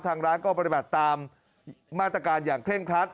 ทางร้านก็ปฏิบัติตามมาตรการอย่างเคร่งครัด